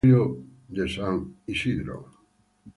Está enterrado en el Cementerio de San Isidro.